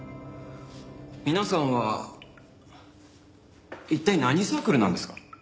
皆さんは一体何サークルなんですか？